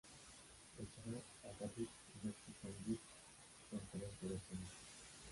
এছাড়াও একাধিক নিজস্ব সঙ্গীত সংকলন করেছেন।